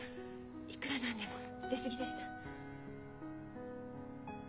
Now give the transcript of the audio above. いくらなんでも出過ぎでした。